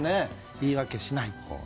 言い訳しない。